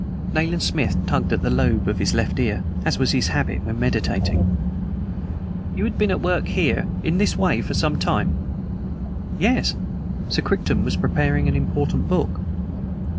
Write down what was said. Nayland Smith tugged at the lobe of his left ear, as was his habit when meditating. "You had been at work here in this way for some time?" "Yes. Sir Crichton was preparing an important book."